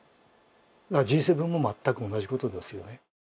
Ｇ７も全く同じことですよね。